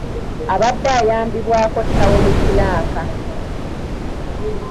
Abadde ayambibwako ttawuni kkiraaka.